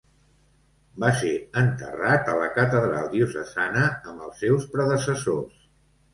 Va ser enterrat a la catedral diocesana amb els seus predecessors.